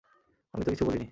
আমি তো কিছু বলিনি।